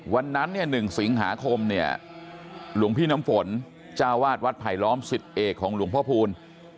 วันนั้นเนี่ย๑สิงหาคมเนี่ยหลวงพี่น้ำฝนเจ้าวาดวัดไผลล้อมสิทธิเอกของหลวงพ่อพูล